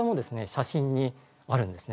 写真にあるんですね。